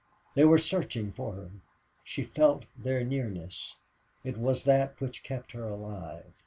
They were searching for her. She felt their nearness. It was that which kept her alive.